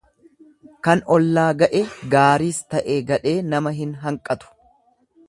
Kan ollaa ga'e gaariis ta'e gadhee nama hin hanqatu.